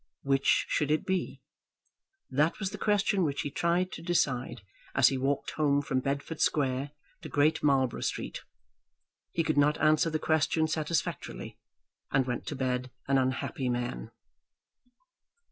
Which should it be? That was the question which he tried to decide as he walked home from Bedford Square to Great Marlborough Street. He could not answer the question satisfactorily, and went to bed an unhappy man.